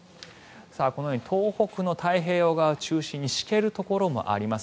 このように東北の太平洋側を中心にしけるところもあります。